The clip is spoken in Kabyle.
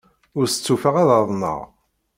Ur stufaɣ ad aḍneɣ.